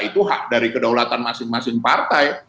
itu hak dari kedaulatan masing masing partai